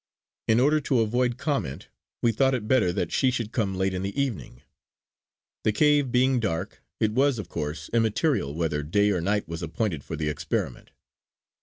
In order to avoid comment we thought it better that she should come late in the evening. The cave being dark, it was of course immaterial whether day or night was appointed for the experiment.